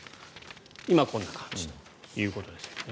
今はこんな感じということです。